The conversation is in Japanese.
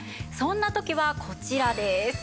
そんな時はこちらです。